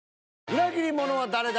裏切り者は誰だ？